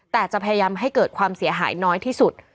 แต่จะพยายามให้เกิดความเสียหายน้อยที่สุด